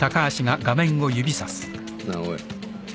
なあおい。